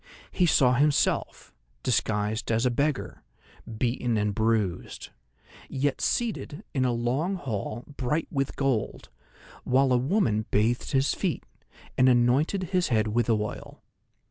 He saw himself, disguised as a beggar, beaten and bruised, yet seated in a long hall bright with gold, while a woman bathed his feet, and anointed his head with oil.